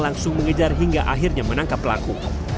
langsung mengejar hingga akhirnya menangkap pelaku